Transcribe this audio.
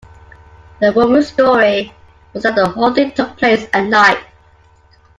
The woman's story was that the whole thing took place at night